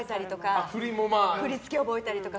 振り付けを覚えたりとか。